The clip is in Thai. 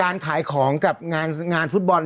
ไปฟังเสียหายแล้วก็ผู้จัดงานกันสักนิดหนึ่งนะครับ